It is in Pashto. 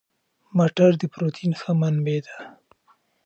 مټر د پروتین ښه منبع ده.